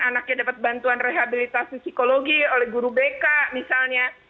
anaknya dapat bantuan rehabilitasi psikologi oleh guru bk misalnya